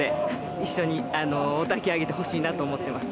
一緒におたき上げてほしいなと思ってます。